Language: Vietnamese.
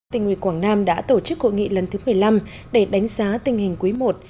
tình huy quảng nam đã tổ chức hội nghị lần thứ một mươi năm để đánh giá tình hình quý i